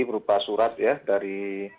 berupa surat ya dari